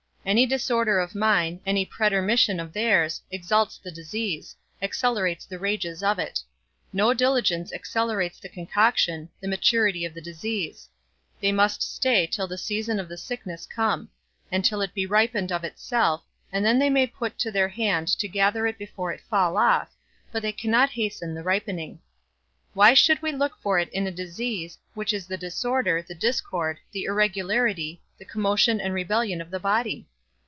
Any disorder of mine, any pretermission of theirs, exalts the disease, accelerates the rages of it; no diligence accelerates the concoction, the maturity of the disease; they must stay till the season of the sickness come; and till it be ripened of itself, and then they may put to their hand to gather it before it fall off, but they cannot hasten the ripening. Why should we look for it in a disease, which is the disorder, the discord, the irregularity, the commotion and rebellion of the body?